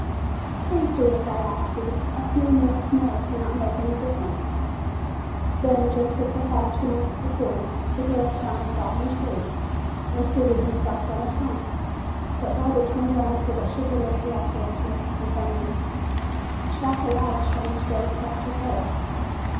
"Please do as I ask you; a few minutes more cannot make any difference." Then, just as they had two months before, the girls found a fallen tree and seated themselves on the trunk. But Barbara turned around so that she could look directly at her companion. A shaft of light shone straight across her face.